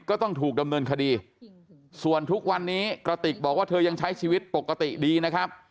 ต้องถูกดำเนินคดีส่วนทุกวันนี้กระติกบอกว่าเธอยังใช้ชีวิตปกติดีนะครับ